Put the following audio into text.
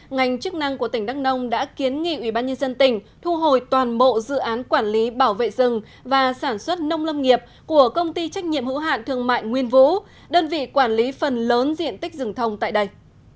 ngành chức năng của tỉnh đắk nông đã kiến nghị ubnd tỉnh thu hồi toàn bộ dự án quản lý bảo vệ rừng và sản xuất nông lâm nghiệp của công ty trách nhiệm hữu hạn thương mại nguyên vũ đơn vị quản lý phần lớn diện tích rừng thông tại đây